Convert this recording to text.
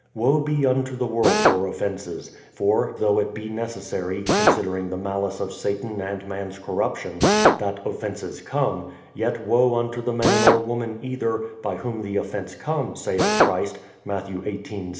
Woe be unto the world for offences; for though it be necessary (considering the malice of Satan and man's corruption) that offences come, yet woe unto the man or woman cither, by whom the offence come, saith Christ (Math, xviii, 7).